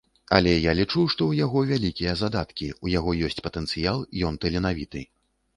Але я лічу, што ў яго вялікія задаткі, у яго ёсць патэнцыял, ён таленавіты.